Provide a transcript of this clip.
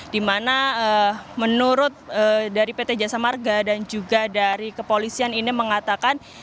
di mana menurut dari pt jasa marga dan juga dari kepolisian ini mengatakan